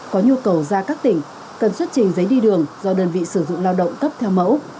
có nhu cầu ra các tỉnh cần xuất trình giấy đi đường do đơn vị sử dụng lao động cấp theo mẫu